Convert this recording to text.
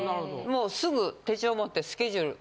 もうすぐ手帳持ってスケジュール。